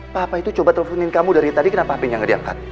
papa itu coba teleponin kamu dari tadi kenapa apinya nggak diangkat